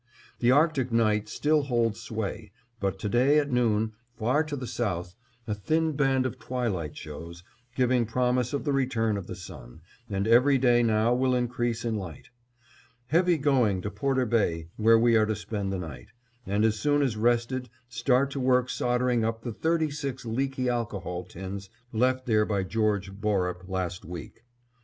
The Arctic night still holds sway, but to day at noon, far to the south, a thin band of twilight shows, giving promise of the return of the sun, and every day now will increase in light. Heavy going to Porter Bay, where we are to spend the night, and as soon as rested start to work soldering up the thirty six leaky alcohol tins left there by George Borup last week.